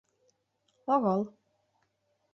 Орол...